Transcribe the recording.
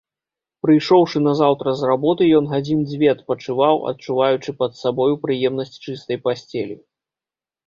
Прыйшоўшы назаўтра з работы, ён гадзін дзве адпачываў, адчуваючы пад сабою прыемнасць чыстай пасцелі.